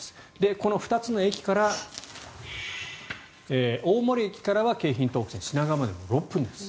この２つの駅から大森駅からは京浜東北線品川まで６分です。